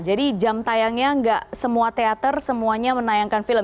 jadi jam tayangnya nggak semua teater semuanya menayangkan film